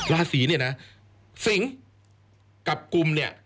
ราศีนี่นะสิงค์กับกุม